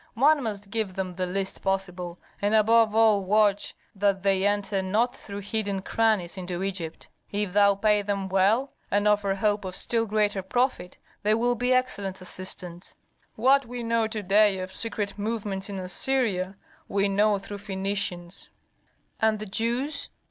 One must give them the least possible, and above all watch that they enter not through hidden crannies into Egypt. If thou pay them well and offer hope of still greater profit, they will be excellent assistants. What we know to day of secret movements in Assyria we know through Phœnicians." "And the Jews?"